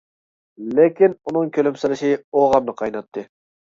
لېكىن، ئۇنىڭ كۈلۈمسىرىشى ئوغامنى قايناتتى.